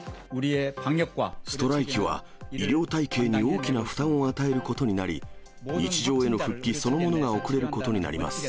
ストライキは医療体系に大きな負担を与えることになり、日常への復帰そのものが遅れることになります。